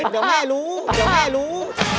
เดี๋ยวแม่รู้